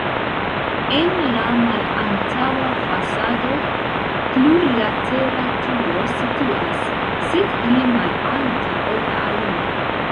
En la malantaŭa fasado plurlatera turo situas, sed pli malalta, ol la alia.